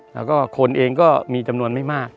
แล้วก็คนเองก็มีจำนวนไม่มาก